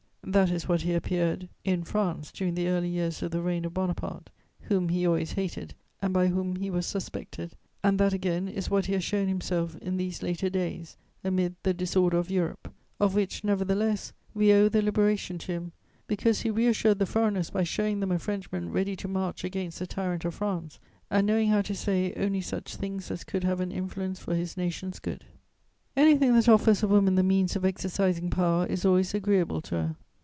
That is what he appeared in France during the early years of the reign of Bonaparte, whom he always hated and by whom he was suspected, and that again is what he has shown himself in these later days, amid the disorder of Europe, of which, nevertheless, we owe the liberation to him, because he reassured the foreigners by showing them a Frenchman ready to march against the tyrant of France and knowing how to say only such things as could have an influence for his nation's good. "Anything that offers a woman the means of exercising power is always agreeable to her.